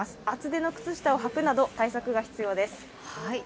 厚手の靴下を履くなど対策が必要です。